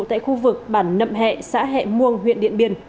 tại khu vực bản nậm hẹ xã hệ muông huyện điện biên